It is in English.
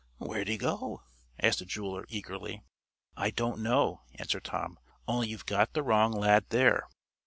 "Where did he go?" asked the jeweler, eagerly. "I don't know," answered Tom. "Only you've got the wrong lad here."